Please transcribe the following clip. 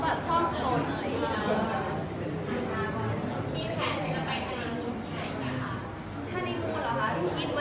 ค่ะมีแผนที่จะไปที่นี่มุ่งไหนคะ